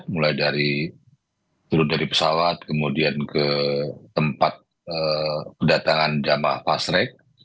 mulai dari turun dari pesawat kemudian ke tempat kedatangan jemaah pasrek